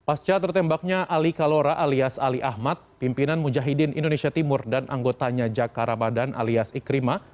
pasca tertembaknya ali kalora alias ali ahmad pimpinan mujahidin indonesia timur dan anggotanya jaka ramadan alias ikrimah